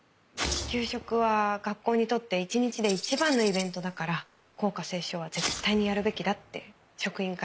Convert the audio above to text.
給食は学校にとって一日で一番のイベントだから校歌斉唱は絶対にやるべきだって職員会議で主張して。